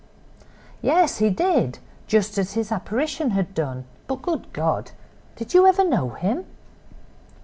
"Yes, he did—just as his apparition had done. But, good God! did you ever know him?"